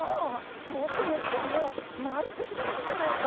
こうしてみるともう周り敵だらけじゃないか。